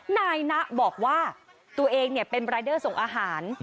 นายนะบอกว่าตัวเองเป็นรายเดอร์ส่งอาหาร